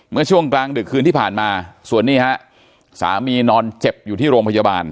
เมื่อช่วงกลางดึกคืนที่ผ่านมาส่วนนี้ฮะสามีนอนเจ็บอยู่ที่โรงพยาบาล